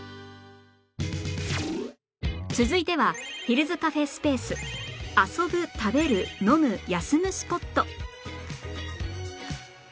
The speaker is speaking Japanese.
続いてはヒルズカフェ／スペース遊ぶ食べる飲む休むスポット